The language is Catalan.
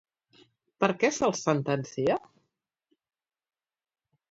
Per què se'ls sentencia?